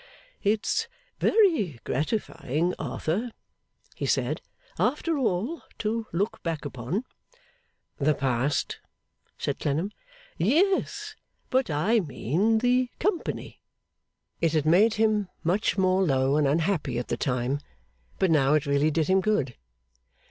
'It's very gratifying, Arthur,' he said, 'after all, to look back upon.' 'The past?' said Clennam. 'Yes but I mean the company.' It had made him much more low and unhappy at the time, but now it really did him good.